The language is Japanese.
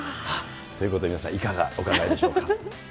ということで、皆さん、いかがお考えでしょうか。